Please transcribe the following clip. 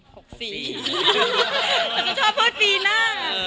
จะชอบเพิ่มปีหน้า